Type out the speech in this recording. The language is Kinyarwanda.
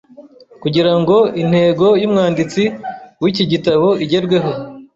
Kugira ngo intego y’umwanditsi w’iki gitabo igerweho